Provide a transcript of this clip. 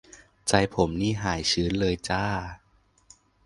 ใจผมนี้หายชื้นเลยจร้า